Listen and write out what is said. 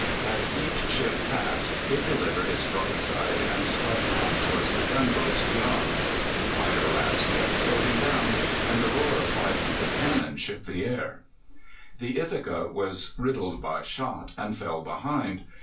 As each ship passed it delivered its broadside and swept on towards the gunboats beyond. Fire rafts kept floating down, and the roar of 500 cannon shook the air. The Ithaca was riddled by shot and fell behind.